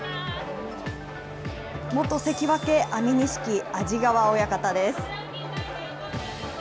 元関脇・安美錦、安治川親方です。